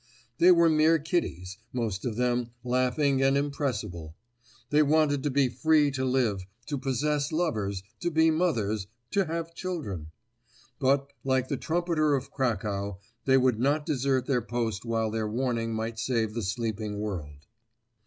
They were mere kiddies, most of them, laughing and irrepressible. They wanted to be free to live, to possess lovers, to be mothers, to have children. But, like the trumpeter of Cracow, they would not desert their post while their warning might save the sleeping world.